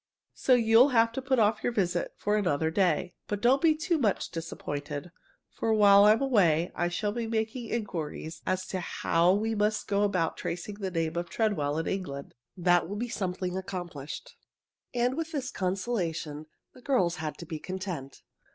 So you'll have to put off your visit for another day. But don't be too much disappointed, for while I'm away I shall be making inquiries as to how we must go about tracing the name of Treadwell in England. That will be something accomplished." And with this consolation the girls had to be content.